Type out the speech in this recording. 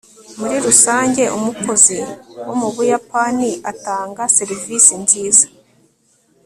muri rusange, umukozi wo mu buyapani atanga serivisi nziza